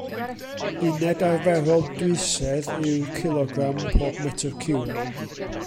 Uned arferol dwysedd yw cilogram pob metr ciwb.